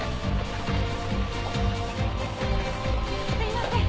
すいません。